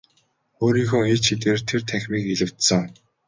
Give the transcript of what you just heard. Өөрийнхөө ид шидээр тэр танхимыг илбэдсэн.